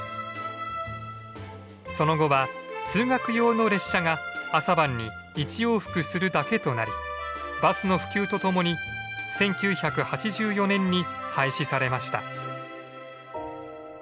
その後は通学用の列車が朝晩に１往復するだけとなりバスの普及とともに１９８４年に廃止されました。